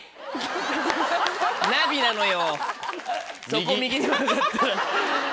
ナビなのよ。